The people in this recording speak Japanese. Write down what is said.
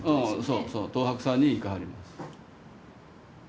そうそう東博さんに行かはります。